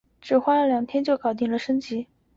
只花了两天就搞定了升级